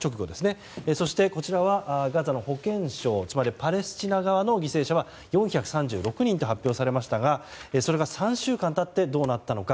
そして、こちらはガザの保健省つまりパレスチナ側の犠牲者は４３６人と発表されましたがそれが３週間経ってどうなったか。